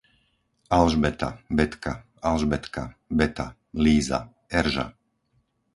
Alžbeta, Betka, Alžbetka, Beta, Líza, Erža